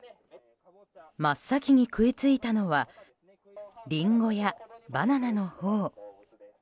真っ先に食いついたのはリンゴやバナナのほう。